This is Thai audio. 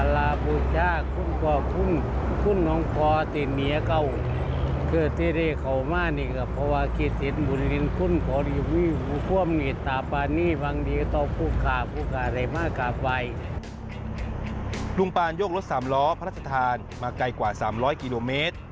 ลุงปานยกรถสามล้อพระราชทานมาไกลกว่า๓๐๐กิโลเมตร